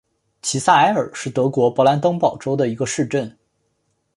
齐埃萨尔是德国勃兰登堡州的一个市镇。